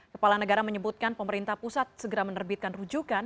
kepala negara menyebutkan pemerintah pusat segera menerbitkan rujukan